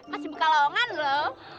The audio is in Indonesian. masih buka lawangan loh